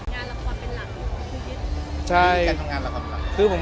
งานละครเป็นหลักหรือเป็นการทำงานละครหรือเปล่า